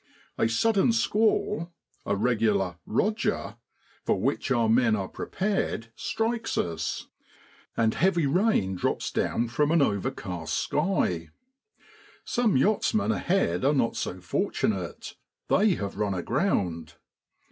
A sudden squall, a regular ' Roger,' JULY IN BROADLAND. 67 for which our men are prepared, strikes us; and heavy rain drops down from an overcast sky. Some yachtsmen ahead are not so fortunate, they have run aground.